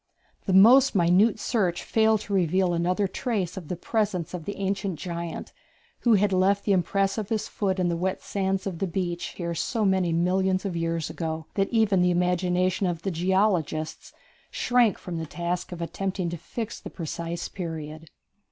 The most minute search failed to reveal another trace of the presence of the ancient giant, who had left the impress of his foot in the wet sands of the beach here so many millions of years ago that even the imagination of the geologists shrank from the task of attempting to fix the precise period.